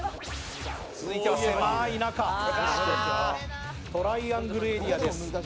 続いては狭い中、トライアングルエリアです。